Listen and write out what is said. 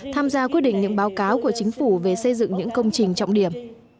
tham gia quyết định những báo cáo của chính phủ về xây dựng những công trình trọng điểm